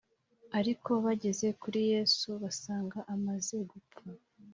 ariko bageze kuri Yesu basanga amaze gupfa